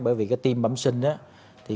bởi vì cái tim bẩm sinh